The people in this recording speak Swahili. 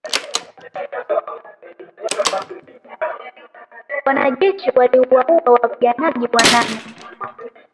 Wanajeshi waliwaua wapiganaji wanane